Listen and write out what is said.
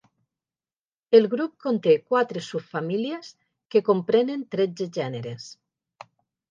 El grup conté quatre subfamílies que comprenen tretze gèneres.